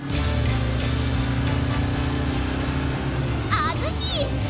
あずき！